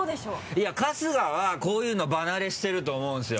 いや春日はこういうの場慣れしてると思うんですよ。